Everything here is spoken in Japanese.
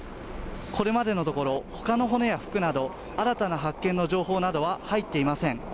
これまでのところほかの骨や服など新たな発見の情報などは入っていません